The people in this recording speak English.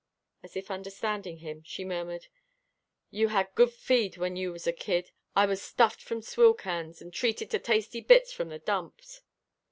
As if understanding him, she murmured, "You had good feed when you was a kid. I was stuffed from swill cans, and treated to tasty bits from the dumps."